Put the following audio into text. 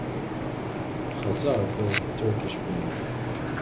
Khazar "Bek"; Turkish "Beg".